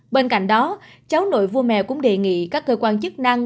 bên cạnh đó cháu nội vua mẹ cũng đề nghị các cơ quan chức năng